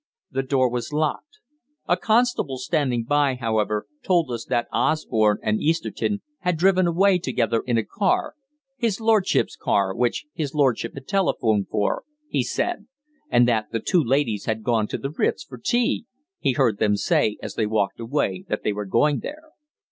The door was locked. A constable standing by, however, told us that Osborne and Easterton had driven away together in a car "his lordship's car, which his lordship had telephoned for," he said, and that "the two ladies had gone to the Ritz for tea" he had heard them say, as they walked away, that they were going there.